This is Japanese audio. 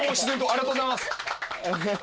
ありがとうございます。